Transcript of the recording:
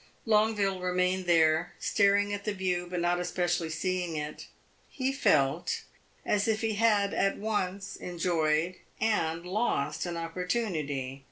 Longueville remained there staring at the view but not especially seeing it. He felt as if he had at once enjoyed and lost an opportunity.